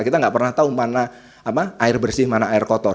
kita nggak pernah tahu mana air bersih mana air kotor